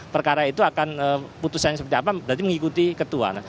perkara itu akan putusannya seperti apa berarti mengikuti ketua